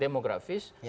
demokrasi dan kemampuan